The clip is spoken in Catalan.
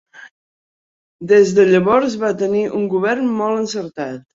Des de llavors va tenir un govern molt encertat.